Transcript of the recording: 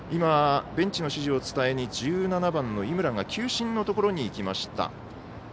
ベンチの指示を伝えに１７番の井村が球審のところに行きました。